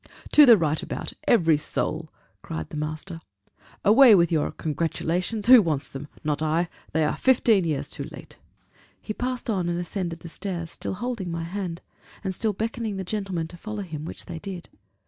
"To the right about every soul!" cried the master: "away with your congratulations! Who wants them? Not I! they are fifteen years too late!" He passed on and ascended the stairs, still holding my hand, and still beckoning the gentlemen to follow him; which they did.